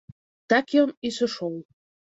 Так ён і сышоў.